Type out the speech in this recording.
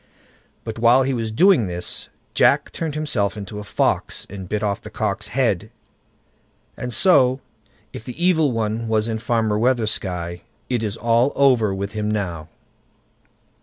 But while he was doing this, Jack turned himself into a fox, and bit off the cock's head; and so if the Evil One was in Farmer Weathersky, it is all over with him now.